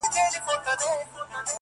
ما یې په غېږه کي ګُلونه غوښتل؛